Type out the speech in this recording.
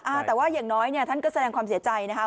อ่าแต่ว่าอย่างน้อยเนี่ยท่านก็แสดงความเสียใจนะคะ